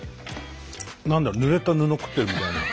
何だろうぬれた布食ってるみたいな。